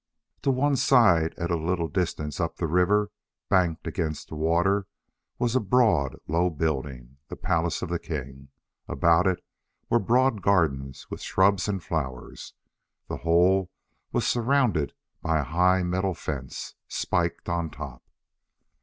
To one side at a little distance up the river, banked against the water, was a broad, low building: the palace of the king. About it were broad gardens, with shrubs and flowers. The whole was surrounded by a high metal fence, spiked on top.